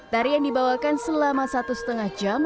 tari yang dibawakan selama satu setengah jam